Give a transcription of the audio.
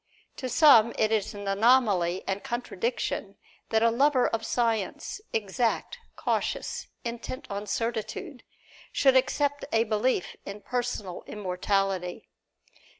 To some it is an anomaly and contradiction that a lover of science, exact, cautious, intent on certitude, should accept a belief in personal immortality.